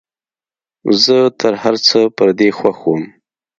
زه تر هرڅه پر دې خوښ وم.